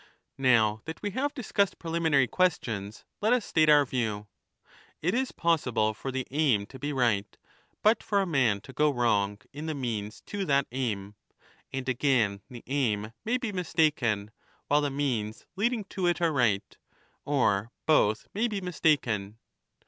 Now that we have discussed preliminary questions let us state our view.^ It is possible for the aim 20 to be right, but for a man to go wrong in the means to that aim ; and again the aim may be mistaken, while the means leading to it are right ; or both may be mistaken.